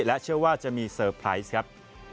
และเชื่อว่าจะมีเซอร์ไพรส์ครับ